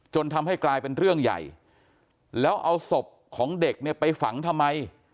ทำให้กลายเป็นเรื่องใหญ่แล้วเอาศพของเด็กเนี่ยไปฝังทำไม